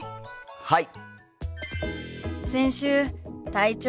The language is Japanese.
はい！